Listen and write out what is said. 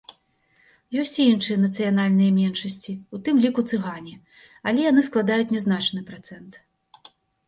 Ёсць і іншыя нацыянальныя меншасці, у тым ліку цыгане, але яны складаюць нязначны працэнт.